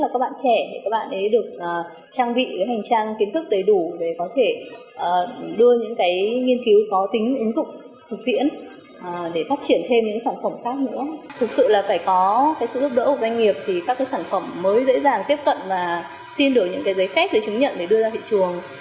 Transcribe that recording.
các sản phẩm mới dễ dàng tiếp cận và xin được giấy phép chứng nhận để đưa ra thị trường